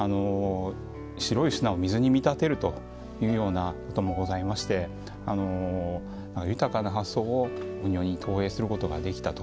白い砂を水に見立てるということもございまして豊かな発想をお庭に投影することができたと。